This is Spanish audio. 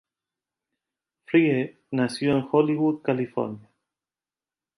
Frye nació en Hollywood, California.